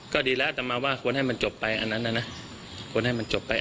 ก็ดีแล้วแต่มาว่าควรให้มันจบไปอันนั้นนะควรให้มันจบไป